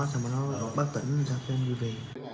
xong rồi nó bắt tỉnh xong rồi em vui về